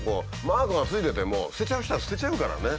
マークがついてても捨てちゃう人は捨てちゃうからね。